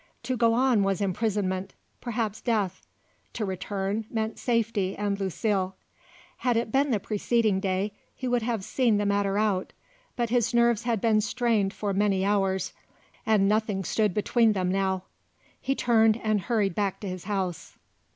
To go on was imprisonment, perhaps death; to return, meant safety and Lucile. Had it been the preceding day, he would have seen the matter out; but his nerves had been strained for many hours, and nothing stood between them now. He turned and hurried back to his house.